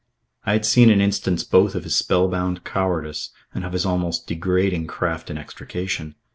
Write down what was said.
I had seen an instance both of his spell bound cowardice and of his almost degrading craft in extrication.